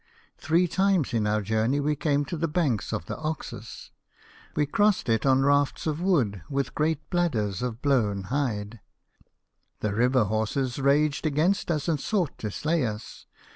Three times in our journey we came to the banks of the Oxus. We crossed it on rafts of wood with o reat bladders of blown hide. o The river horses raged against us and sought to slay us.